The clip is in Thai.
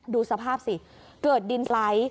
ดูสภาพสิเกิดดินไลท์